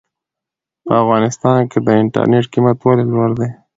په افغانستان کې د انټرنېټ قيمت ولې لوړ دی ؟